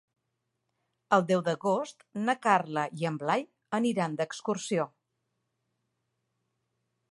El deu d'agost na Carla i en Blai aniran d'excursió.